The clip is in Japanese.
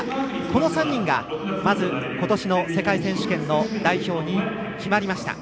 この３人がまずことしの世界選手権の代表に決まりました。